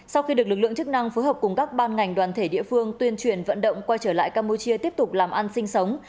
sau khi được lực lượng chức năng phối hợp cùng các ban ngành đoàn thể địa phương tuyên truyền vận động quay trở lại campuchia tiếp tục làm ăn sinh sống